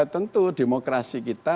tentu demokrasi kita